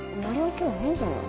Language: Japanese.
今日変じゃない？